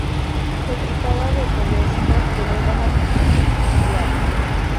Se trataba de periódicos de muy baja tirada.